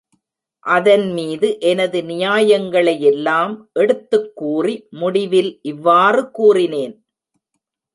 அதன்மீது எனது நியாயங்களையெல்லாம் எடுத்துக் கூறி முடிவில் இவ்வாறு கூறினேன்.